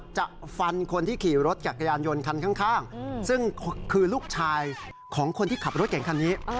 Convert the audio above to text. จะฟันคนที่ขี่รถจักรยานยนต์คันข้างซึ่งคือลูกชายของคนที่ขับรถเก่งคันนี้